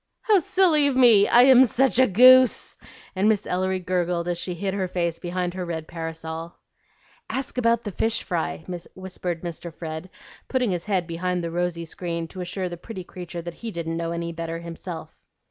"How silly of me! I am SUCH a goose;" and Miss Ellery gurgled as she hid her face behind her red parasol. "Ask about the fish fry," whispered Mr. Fred, putting his head behind the rosy screen to assure the pretty creature that he didn't know any better himself.